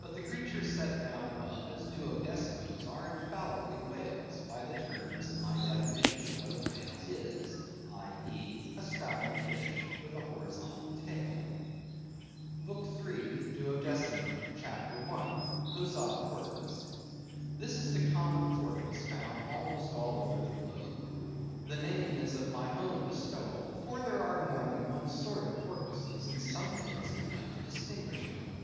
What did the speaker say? But the creatures set down above as Duodecimoes are infallibly whales, by the terms of my definition of what a whale is—i.e. a spouting fish, with a horizontal tail. BOOK III. (Duodecimo), CHAPTER 1. (Huzza Porpoise).—This is the common porpoise found almost all over the globe. The name is of my own bestowal; for there are more than one sort of porpoises, and something must be done to distinguish them.